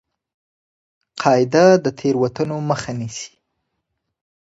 قاعده د تېروتنو مخه نیسي.